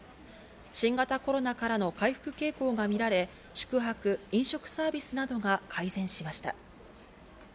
新型コロナからの回復傾向がみられ、宿泊・飲食サービスなどが改善しました。